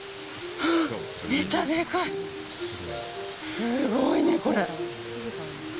すごいね、これ。